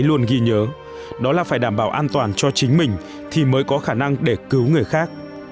luôn ghi nhớ đó là phải đảm bảo an toàn cho chính mình thì mới có khả năng để cứu người khác